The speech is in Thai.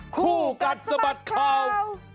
คู่กัดสะบัดข่าว